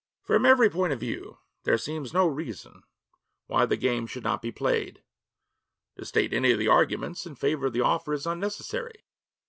'From every point of view, there seems no reason why the game should not be played. To state any of the arguments in favor of the offer is unnecessary.